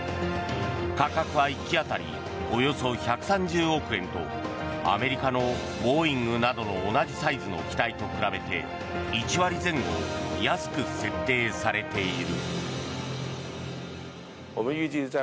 価格は１機当たりおよそ１３０億円とアメリカのボーイングなどの同じサイズの機体と比べて１割前後安く設定されている。